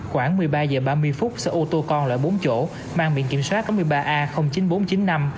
khoảng một mươi ba h ba mươi phút xe ô tô con loại bốn chỗ mang biển kiểm soát tám mươi ba a chín nghìn bốn trăm chín mươi năm